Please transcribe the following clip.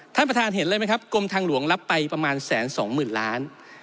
ท่านประธานเห็นเลยไหมครับกรมทางหลวงรับไปประมาณแสนสองหมื่นล้าน